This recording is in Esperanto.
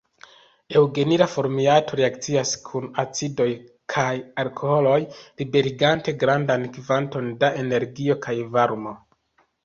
Eŭgenila formiato reakcias kun acidoj kaj alkoholoj liberigante grandan kvanton da energio kaj varmo.